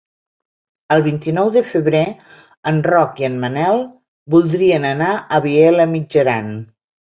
El vint-i-nou de febrer en Roc i en Manel voldrien anar a Vielha e Mijaran.